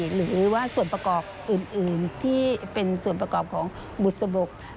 หรือว่าส่วนประกอบอื่นที่เป็นส่วนประกอบของบุษบก